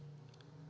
ipal yang baik